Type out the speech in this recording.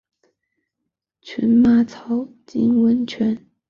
群马草津温泉部比赛。